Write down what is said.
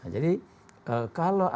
jadi kalau ada